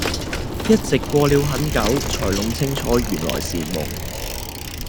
一直過了很久才弄清楚原來是夢